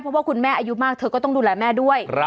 เพราะว่าคุณแม่อายุมากเธอก็ต้องดูแลแม่ด้วย